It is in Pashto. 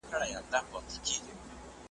زما د آه جنازه څه سوه؟ `